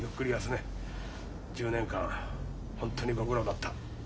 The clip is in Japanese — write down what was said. １０年間ホントにご苦労だった。